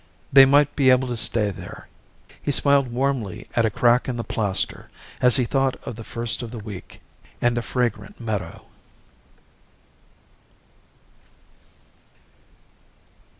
They might be able to stay there. He smiled warmly at a crack in the plaster as he thought of the first of the week and the fragrant meadow.